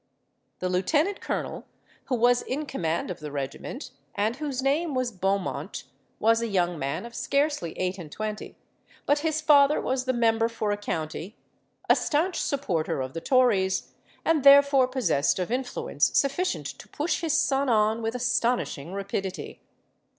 The lieutenant colonel, who was in command of the regiment, and whose name was Beaumont, was a young man of scarcely eight and twenty; but his father was the member for a county, a stanch supporter of the Tories, and therefore possessed of influence sufficient to push his son on with astonishing rapidity.